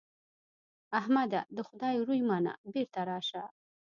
احمده! د خدای روی منه؛ بېرته راشه.